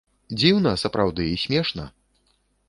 Дзіўна, сапраўды, і смешна?